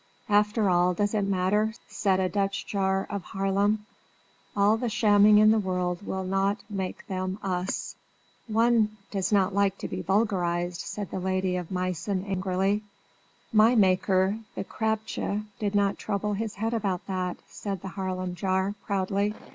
"After all, does it matter?" said a Dutch jar of Haarlem, "All the shamming in the world will not make them us!" "One does not like to be vulgarised," said the Lady of Meissen, angrily. "My maker, the Krabbetje, did not trouble his head about that," said the Haarlem jar, proudly.